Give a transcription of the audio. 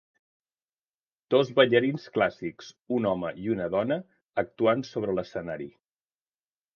Dos ballarins clàssics, un home i una dona, actuant sobre l'escenari.